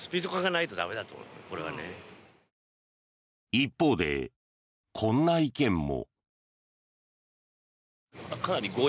一方でこんな意見も。